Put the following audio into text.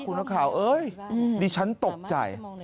เลยพี่พ้องข่าวนี่ฉันตกใจ